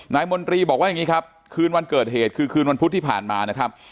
มนตรีบอกว่าอย่างนี้ครับคืนวันเกิดเหตุคือคืนวันพุธที่ผ่านมานะครับ